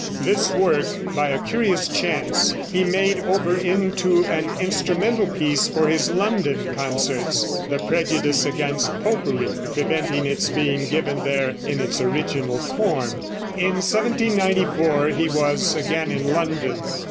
This work, by a curious chance, he made over into an instrumental piece for his London concerts, the prejudice against "popery" preventing its being given there in its original form. In 1794 he was again in London.